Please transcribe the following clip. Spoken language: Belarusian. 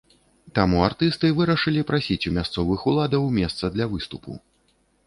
Таму артысты вырашылі прасіць у мясцовых уладаў месца для выступу.